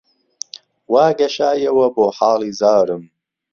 وا گەشایەوە بۆ حاڵی زارم